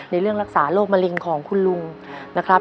เรื่องรักษาโรคมะเร็งของคุณลุงนะครับ